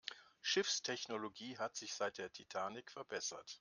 Schiffstechnologie hat sich seit der Titanic verbessert.